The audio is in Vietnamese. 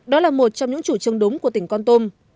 đó là một trong những chủ chân đúng của tỉnh công tâm